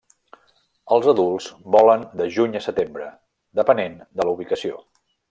Els adults volen de juny a setembre, depenent de la ubicació.